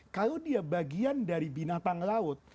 kalau dia bagian dari binatang laut